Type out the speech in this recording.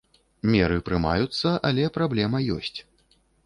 Меры прымаюцца, але праблема ёсць.